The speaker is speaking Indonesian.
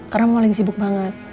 karena mau lagi sibuk banget